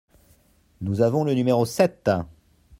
Nous avons le numéro sept…